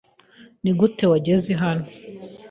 Nigute wageze hano?